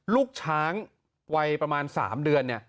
ลูกช้างวัยประมาณ๓เดือน